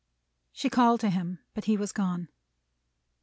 She called to him; but he was gone.